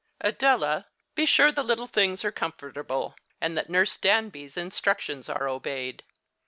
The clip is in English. Adela, be sure the little thino s are comfortable, and that Nurse Danby's instructions are obeyed."